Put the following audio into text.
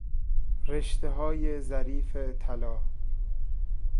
رشتههای ظریف طلا